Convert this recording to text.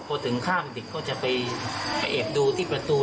พอถึงข้ามเด็กก็จะไปแอบดูที่ประตู